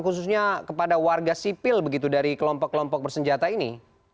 khususnya kepada warga sipil begitu dari kelompok kelompok bersenjata ini